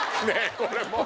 これもう。